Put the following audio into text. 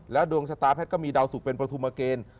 ดวงชะตาแพทย์ก็มีดาวสุกเป็นประธุมเกณฑ์